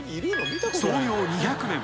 ［創業２００年。